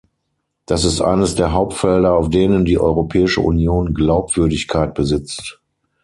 Das ist eines der Hauptfelder, auf denen die Europäische Union Glaubwürdigkeit besitzt.